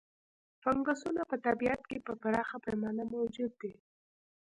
فنګسونه په طبیعت کې په پراخه پیمانه موجود دي.